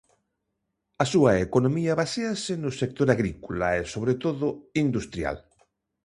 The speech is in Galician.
A súa economía baséase no sector agrícola e, sobre todo, industrial.